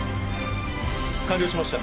完了しました。